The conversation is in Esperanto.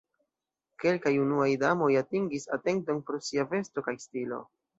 Kelkaj unuaj damoj atingis atenton pro sia vesto kaj stilo.